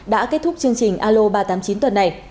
đã kết thúc chương trình alo ba trăm tám mươi chín tuần này